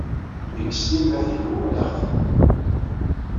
Nekk s timmad-inu walaɣ-t.